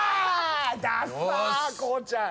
ダッサこうちゃん。